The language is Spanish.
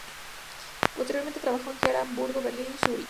Posteriormente trabajó en Gera, Hamburgo, Berlín y Zurich.